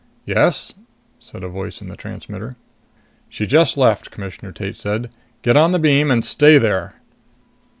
"Yes?" said a voice in the transmitter. "She just left," Commissioner Tate said. "Get on the beam and stay there!"